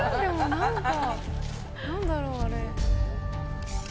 何か何だろうあれ。